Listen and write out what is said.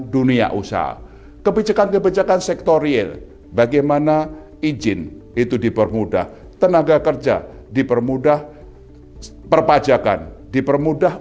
dunia usaha kebijakan kebijakan sektor real bagaimana izin itu dipermudah tenaga kerja dipermudah perpajakan dipermudah